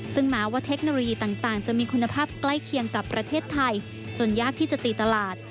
ซึ่งแม้ว่าเทคโนโลยีต่างจะมีคุณภาพใกล้เคียงกับประเทศไทยจนยากที่จะตีตลาด